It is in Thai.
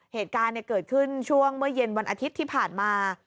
เหตุการณ์เกิดขึ้นช่วงเมื่อเย็นวันอาทิตย์ที่ผ่านมา